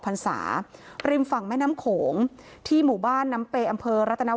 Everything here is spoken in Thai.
พรรษาริมฝั่งแม่น้ำโข๋งที่หมู่บ้านน้ำเป